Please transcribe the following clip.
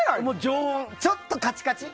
ちょっとカチカチ。